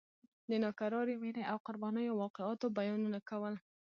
د ناکرارې مینې او قربانیو واقعاتو بیانونه کول.